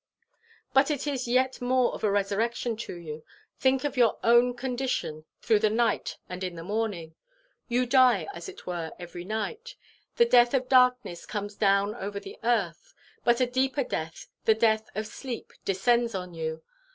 But it is yet more of a resurrection to you. Think of your own condition through the night and in the morning. You die, as it were, every night. The death of darkness comes down over the earth; but a deeper death, the death of sleep, descends on you.